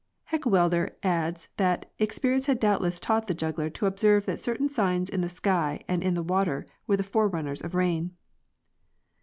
Heckewelder adds that '' Experience had doubtless taught the juggler to observe that certain signs in the sky and in the water were the forerunners of rain."